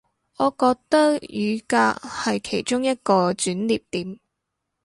我覺得雨革係其中一個轉捩點